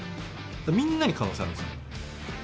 みんなに可能性あるんですよ。